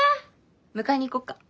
迎えに行こうか？